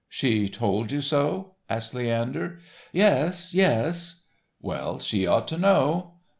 "She told you so?" asked Leander. "Yes, yes." "Well, she ought to know."